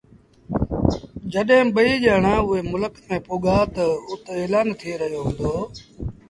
جڏهيݩ ٻئيٚ ڄآڻآݩ اُئي ملڪ ميݩ پُڳآ تا اُت ايلآݩ ٿئي رهيو هُݩدو